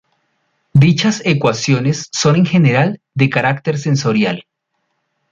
Dichas ecuaciones son en general de carácter tensorial.